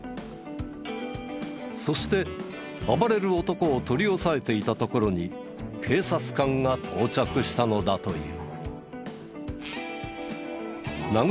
そして暴れる男を取り押さえていたところに警察官が到着したのだという。